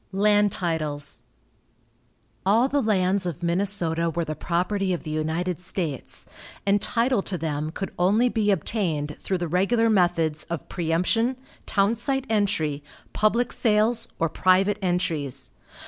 LAND TITLES. All the lands of Minnesota were the property of the United States, and title to them could only be obtained through the regular methods of preëmption, town site entry, public sales, or private entries.